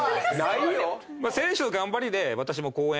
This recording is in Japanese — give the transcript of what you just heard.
選手の頑張りで私も講演